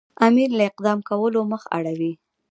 امیر له اقدام کولو مخ اړوي.